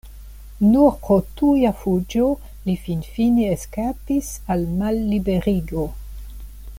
Nur pro tuja fuĝo li finfine eskapis al malliberigo.